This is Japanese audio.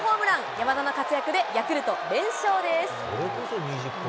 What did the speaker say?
山田の活躍で、ヤクルト、連勝です。